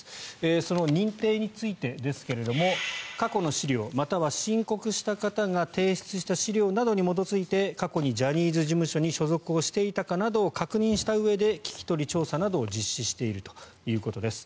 その認定についてですが過去の資料、または申告した方が提出した資料などに基づいて過去にジャニーズ事務所に所属していたかなどを確認したうえで聞き取り調査などを実施しているということです。